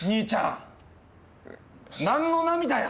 何の涙や？